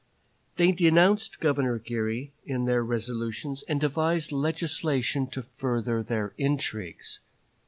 They denounced Governor Geary in their resolutions, and devised legislation to further their intrigues.